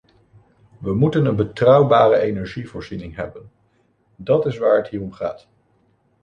We moeten een betrouwbare energievoorziening hebben, dat is waar het hier om gaat.